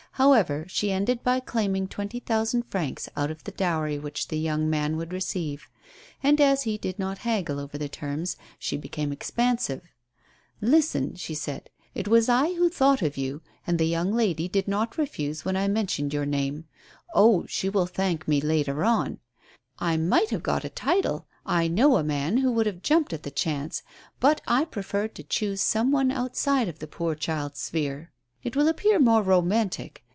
How ever, she ended by claiming twenty thousand francs out of the dowry which the young man would receive. And, as he did not haggle over the terms, she became expansive. ''Listen," she said, "it was I who thought of you, and the young lady did not refuse when I mentioned your name. Oh 1 you will thank me later on. I might have got a title; I know a man who would have jumped at the chance. But I preferred to choose some one out side of the poor child's sphere. It will appear more romantic.